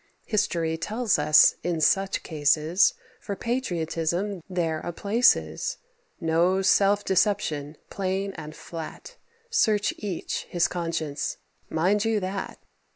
History tells us, in such cases For patriotism there a place is. No self deception; plain and flat Search each his conscience, mind you that.